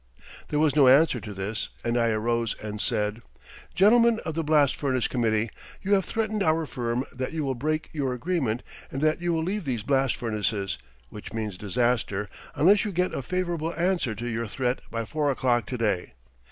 There was no answer to this, and I arose and said: "Gentlemen of the Blast Furnace Committee, you have threatened our firm that you will break your agreement and that you will leave these blast furnaces (which means disaster) unless you get a favorable answer to your threat by four o'clock to day.